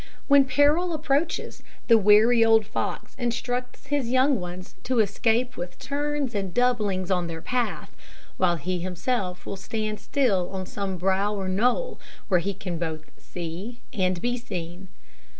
When peril approaches, the wary old fox instructs his young ones to escape with turns and doublings on their path, while he himself will stand still on some brow or knoll, where he can both see and be seen.